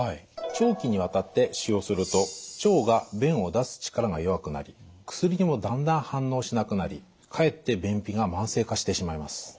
長期にわたって使用すると腸が便を出す力が弱くなり薬にもだんだん反応しなくなりかえって便秘が慢性化してしまいます。